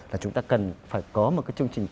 là chúng ta cần phải có một cái chương trình